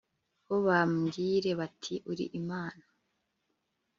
bo bambwire bati uri Imana